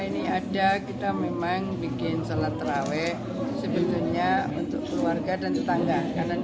ini ada kita memang bikin salat terawih sebetulnya untuk keluarga dan tetangga